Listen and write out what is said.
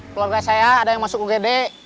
keluarga saya ada yang masuk ugd